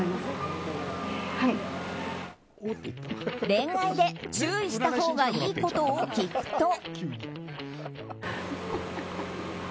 恋愛で注意したほうがいいことを聞くと。